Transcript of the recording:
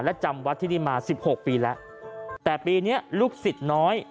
และจำวัดที่นี่มาสิบหกปีแล้วแต่ปีนี้ลูกศิษย์น้อย